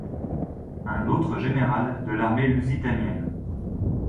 Un autre général de l'armée lusitanienne.